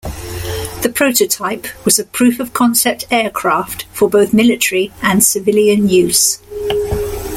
The prototype was a proof-of-concept aircraft for both military and civilian use.